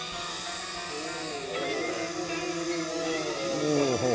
おお。